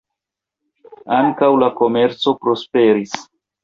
Ankaŭ la komerco prosperis.